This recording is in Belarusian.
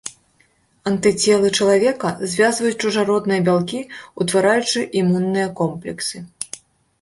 Антыцелы чалавека звязваюць чужародныя бялкі, утвараючы імунныя комплексы.